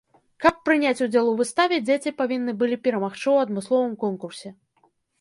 Каб прыняць удзел у выставе дзеці павінны былі перамагчы ў адмысловым конкурсе.